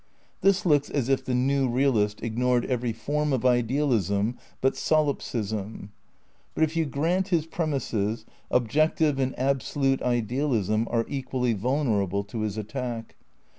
This looks as if the new realist ignored every form of idealism but solipsism. But if you grant his premises, objective and absolute idealism are equally vulnerable to his attack.